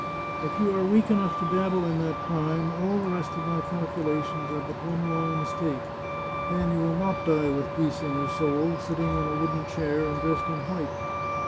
If you are weak enough to dabble in that crime, all the rest of my calculations are but one long mistake. Then you will not die with peace in your soul, sitting on a wooden chair and dressed in white